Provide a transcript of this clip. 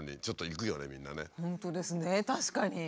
確かに。